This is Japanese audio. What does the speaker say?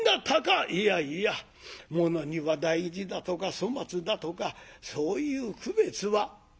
「いやいや物には大事だとか粗末だとかそういう区別は」。